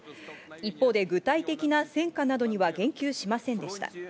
一方で具体的な戦果などには言及しませんでした。